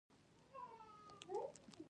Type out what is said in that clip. ډرامه د جګړې ویرانۍ ښيي